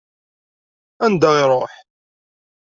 Anda i iṛuḥ?